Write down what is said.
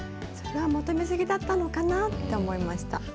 それは求めすぎだったのかなって思いました。